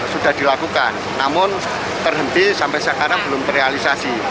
sudah dilakukan namun terhenti sampai sekarang belum terrealisasi